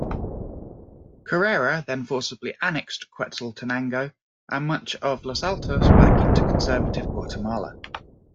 Carrera, then forcibly annexed Quetzaltenango and much of Los Altos back into conservative Guatemala.